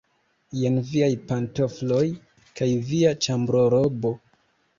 Jen viaj pantofloj kaj via ĉambrorobo.